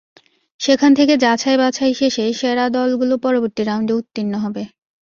সেখান থেকে যাচাই বাছাই শেষে সেরা দলগুলো পরবর্তী রাউন্ডে উত্তীর্ণ হবে।